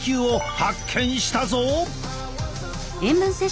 発見したぞ！